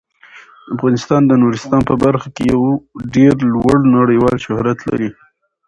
افغانستان د نورستان په برخه کې یو ډیر لوړ نړیوال شهرت لري.